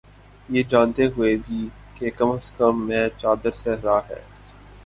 یہ جانتے ہوئے بھی، کہ قسمت میں چادر صحرا ہے